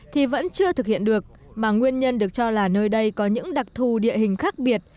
thì vẫn chưa thực hiện được mà nguyên nhân được cho là nơi đây có những đặc thù địa hình khác biệt